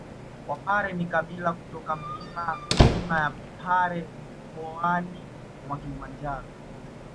Wapare ni kabila kutoka milima ya Pare Mkoani wa Kilimanjaro